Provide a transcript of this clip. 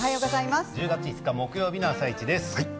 １０月５日木曜日の「あさイチ」です。